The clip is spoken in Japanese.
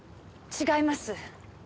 違います。